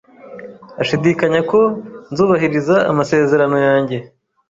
Ashidikanya ko nzubahiriza amasezerano yanjye